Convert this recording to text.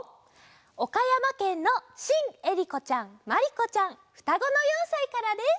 おかやまけんのしんえりこちゃんまりこちゃんふたごの４さいからです。